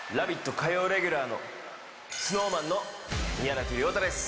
火曜レギュラーのＳｎｏｗＭａｎの宮舘涼太です。